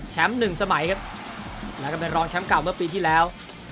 หนึ่งสมัยครับแล้วก็เป็นรองแชมป์เก่าเมื่อปีที่แล้ว